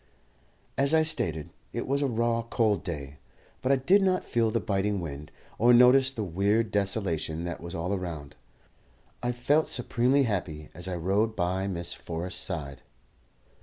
As I stated, it was a raw, cold day; but I did not feel the biting wind, or notice the weird desolation that was all around. I felt supremely happy as I rode by Miss Forrest's side.